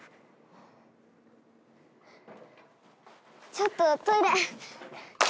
ちょっとトイレ。